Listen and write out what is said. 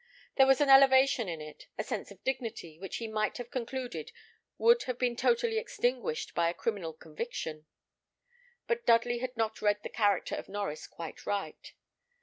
There was an elevation in it, a sense of dignity which he might have concluded would have been totally extinguished by a criminal conviction; but Dudley had not read the character of Norries quite aright.